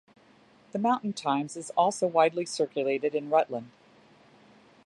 "The Mountain Times" is also widely circulated in Rutland.